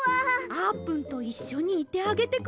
あーぷんといっしょにいてあげてください。